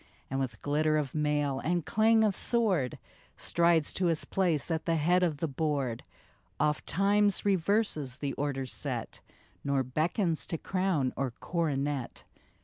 And with glitter of mail, and clang of sword, Strides to his place at the head of the board, Oft times reverses the order set, Nor beckons to crown or coronet